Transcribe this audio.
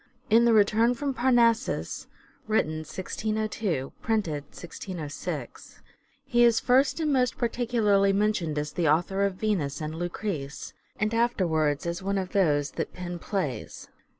In the " Returne from Pernassus" (written 1602, printed 1606) he is first and most particularly mentioned as the author of " Venus " and " Lucrece," and afterwards as one of those that " pen plaies."